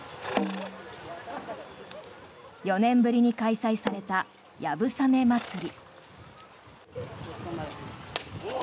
４年ぶりに開催されたやぶさめ祭り。